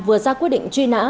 vừa ra quyết định truy nã